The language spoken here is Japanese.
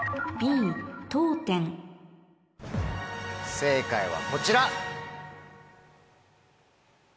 正解はこちら。